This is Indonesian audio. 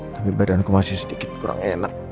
tapi badanku masih sedikit kurang enak